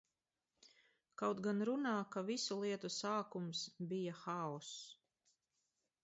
Kaut gan runā, ka visu lietu sākums bija haoss.